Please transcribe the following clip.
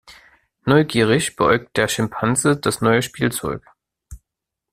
Neugierig beäugt der Schimpanse das neue Spielzeug.